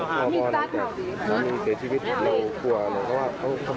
ความเป็นผู้หญิงความเป็นผู้หญิงความเป็นผู้หญิง